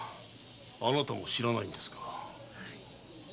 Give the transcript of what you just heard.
あなたも知らないんですか。